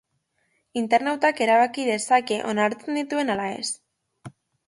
Internautak erabaki dezake onartzen dituen ala ez.